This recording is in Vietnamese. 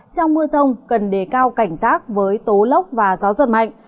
trong mưa rông cần đề cao cảnh giác với tố lốc và gió giật mạnh